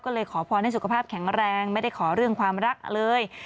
ก็เลยขอพรให้สุขภาพแข็งแรงไม่ได้ขอเรื่องความรักเลย